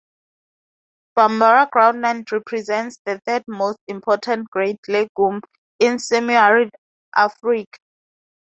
Bambara groundnut represents the third most important grain legume in semi-arid Africa.